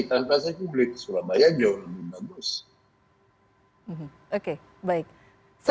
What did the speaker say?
tanpa saya publik surabaya jauh lebih bagus